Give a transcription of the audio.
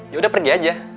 yaudah pergi aja